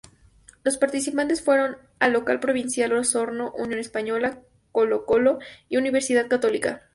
Los participantes fueron el local Provincial Osorno, Unión Española, Colo-Colo y Universidad Católica.